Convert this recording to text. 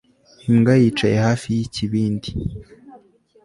Imbwa yicaye hafi yikibindi